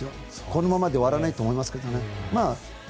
このままでは終わらないと思いますけどね。